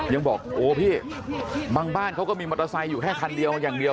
ยังบอกโอ้พี่บางบ้านเขาก็มีมอเตอร์ไซค์อยู่แค่คันเดียวอย่างเดียว